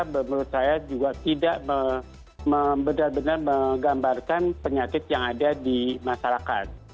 menurut saya juga tidak benar benar menggambarkan penyakit yang ada di masyarakat